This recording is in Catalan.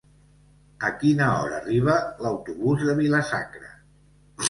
A quina hora arriba l'autobús de Vila-sacra?